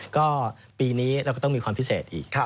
ก็ปีนี้เราก็ต้องมีความพิเศษอีก